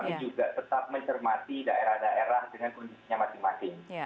kami juga tetap mencermati daerah daerah dengan kondisinya masing masing